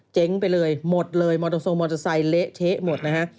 เจ๊งไปเลยหมดเลยมอเตอร์ทรงมอเตอร์ไซค์เละเทะหมดนะฮะ